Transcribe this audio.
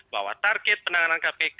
bahwa target penanganan kpk